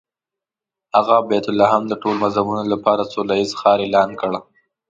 هغه بیت لحم د ټولو مذهبونو لپاره سوله ییز ښار اعلان کړ.